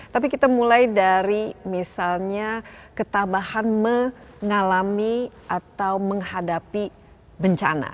tapi kita mulai dari misalnya ketabahan mengalami atau menghadapi bencana